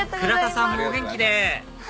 倉田さんもお元気で！